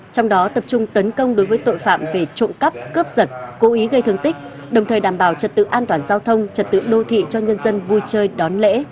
trong đó tập trung tấn công đối với tội phạm về trộm cắp cướp giật cố ý gây thương tích đồng thời đảm bảo trật tự an toàn giao thông trật tự đô thị cho nhân dân vui chơi đón lễ